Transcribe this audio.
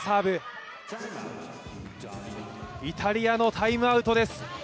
イタリアのタイムアウトです。